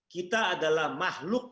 kita adalah mahluk